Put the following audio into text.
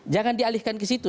jangan dialihkan ke situ